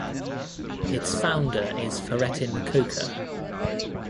Its founder is Fahrettin Koca.